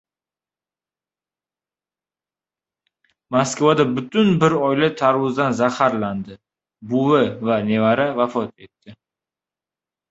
Moskvada butun bir oila tarvuzdan zaharlandi – buvi va nevara vafot etdi